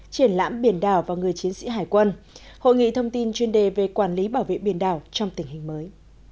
triển lãm biển đảo và người chiến sĩ hải quân hội nghị thông tin chuyên đề về quản lý bảo vệ biển đảo trong tình hình mới